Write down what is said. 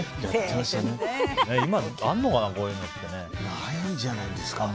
ないんじゃないですか？